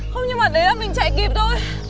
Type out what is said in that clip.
không nhưng mà đấy là mình chạy kịp thôi